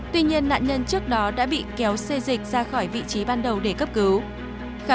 tuy nhiên nạn nhân trước đó đã bị kéo xê dịch ra khỏi nhà